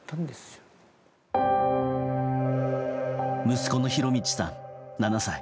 息子の浩順さん、７歳。